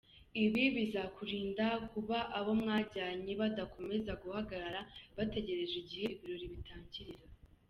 Ibi bizakurinda kuba abo mwajyanye badakomeza guhagarara bategereje igihe ibirori bitangirira.